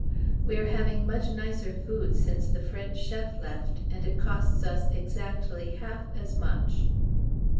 We are having much nicer food since the French chef left, and it costs us exactly half as much.